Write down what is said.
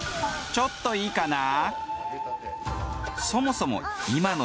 ちょっといいかなぁ？